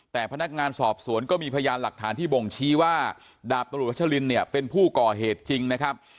แต่พนักงานสอบสวนก็มีพยานหลักฐานที่บ่งชี้ว่าดาบตำรวจวัชลินเนี่ยเป็นผู้ก่อเหตุจริงนะครับ